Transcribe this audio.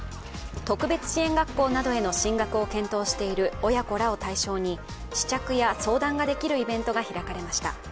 特別支援学校などへの進学を検討している親子を対象に試着や相談ができるイベントが開かれました。